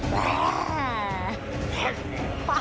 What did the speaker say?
บ๊าย